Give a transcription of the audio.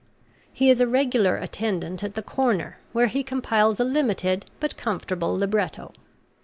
He is a regular attendant at the Corner, where he compiles a limited but comfortable libretto.